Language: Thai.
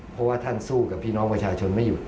เพราะว่าท่านสู้กับพี่น้องประชาชนไม่หยุด